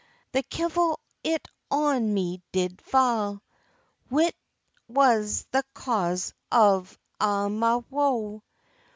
The kevil it on me did fa', Whilk was the cause of a' my woe.